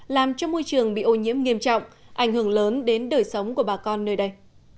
làm cho môi trường bị ô nhiễm nghiêm trọng ảnh hưởng lớn đến đời sống của bà con nơi đây